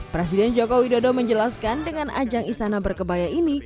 presiden jokowi dodo menjelaskan dengan ajang istana berkebaya ini